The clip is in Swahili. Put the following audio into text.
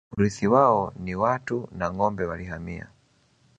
Urithi wao ni watu na ngâombe Walihamia